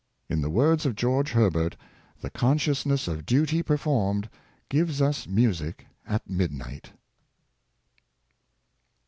In the words of George Herbert, the consciousness of duty performed " gives us music at midnight."